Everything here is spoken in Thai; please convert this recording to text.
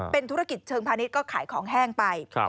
เป็นธุรกิจเชิงพาณิชย์ก็ขายของแห้งไป